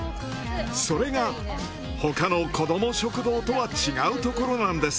それが他の子ども食堂とは違うところなんです。